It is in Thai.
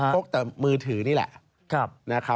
กแต่มือถือนี่แหละ